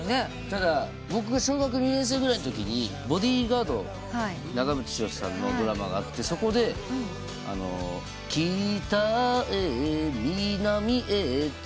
ただ僕が小学２年生ぐらいのときに『ボディガード』長渕剛さんのドラマがあってそこで「北へ南へ」って歌。